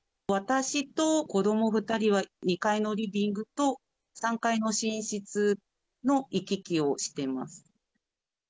私と子ども２人は２階のリビングと、３階の寝室の行き来をしてます。